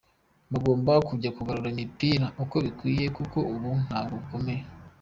Bagomba kujya bagarura imipira uko bikwiye, kuko ubu ntabwo bakomenye.